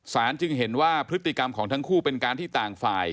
จึงเห็นว่าพฤติกรรมของทั้งคู่เป็นการที่ต่างฝ่าย